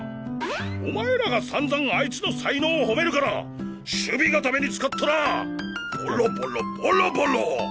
お前らが散々あいつの才能をほめるから守備固めに使ったらボロボロボロボロ！